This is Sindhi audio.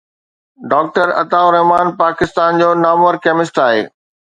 ڊاڪٽر عطاءُ الرحمٰن پاڪستان جو نامور ڪيمسٽ آهي.